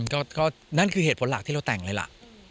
แล้วท่านคือเหตุพลักษณ์ที่เราแต่งเลยล่ะ